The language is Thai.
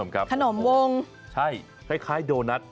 คล้ายโดนัต